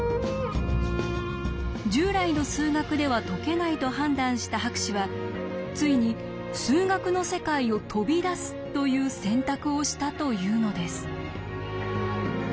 従来の数学では解けないと判断した博士はついに数学の世界を飛び出すという選択をしたというのです。